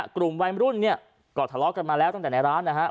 กลุ่มวัยมรุ่นเนี่ยก็ทะเลาะกันมาแล้วตั้งแต่ในร้านนะครับ